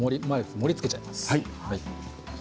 盛りつけちゃいます。